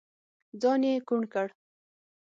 ځان يې کوڼ کړ.